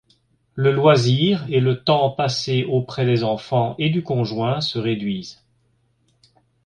Le loisir et le temps passé auprès des enfants et du conjoint se réduisent.